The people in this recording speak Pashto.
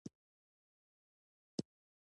د پاکستان قرضه څو سوه میلیارده ډالرو ته رسیدلې